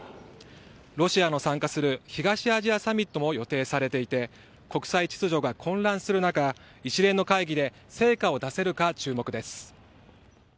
ロシアも参加する東アジアサミットも予定されていて国際秩序が混乱する中一連の会議で成果を出せるか注目です。